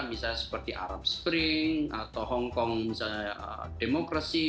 misalnya seperti arab spring atau hongkong misalnya demokrasi